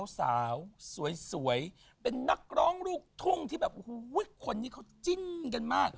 สาวสวยเป็นนักร้องลูกทุ่งที่แบบโอ้โหคนนี้เขาจิ้นกันมาก